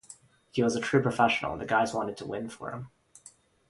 He was a true professional, and the guys wanted to win for him.